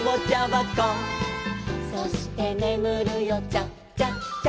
「そしてねむるよチャチャチャ」